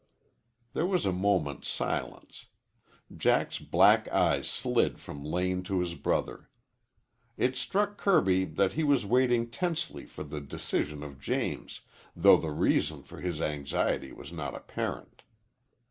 There was a moment's silence. Jack's black eyes slid from Lane to his brother. It struck Kirby that he was waiting tensely for the decision of James, though the reason for his anxiety was not apparent.